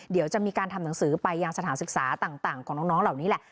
เดี๋ยวจะมีการทำหนังสือไปยังสถานศึกษาต่างของน้องเหล่านี้แหละ